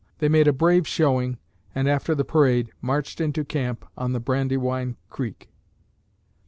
They made a brave showing and after the parade, marched into camp on the Brandywine Creek.